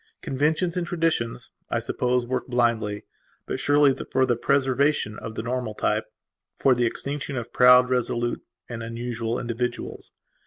Conventions and traditions, I suppose, work blindly but surely for the preservation of the normal type; for the extinction of proud, resolute and unusual individuals.